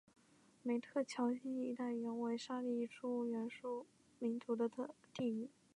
梅特乔辛一带原为沙利殊原住民族的地域。